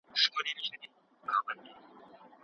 هغه ښوونځی چې نظم لري، ښه پایلې لري.